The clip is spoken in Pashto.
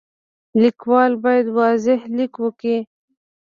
لیکوال باید واضح لیک وکړي.